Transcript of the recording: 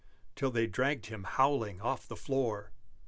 Till they dragged him, howling, off the floor.